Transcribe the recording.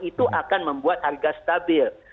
itu akan membuat harga stabil